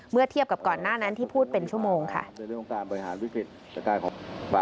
เมื่อเทียบกับก่อนหน้านั้นที่พูดเป็นชั่วโมงค่ะ